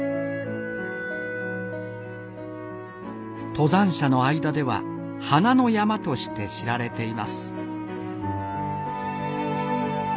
登山者の間では「花の山」として知られています。